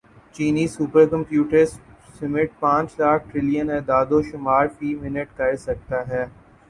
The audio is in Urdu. چینی سپر کمپیوٹر سمٹ پانچ لاکھ ٹریلین اعدادوشمار فی منٹ کر سکتا ہے